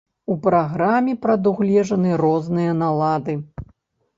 У праграме прадугледжаны розныя налады.